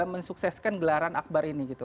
mensukseskan gelaran akbar ini gitu